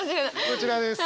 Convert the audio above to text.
こちらです。